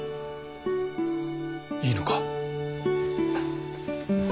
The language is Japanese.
いいのか？